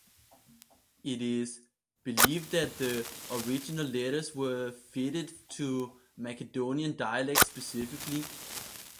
It is believed that the original letters were fitted to Macedonian dialects specifically.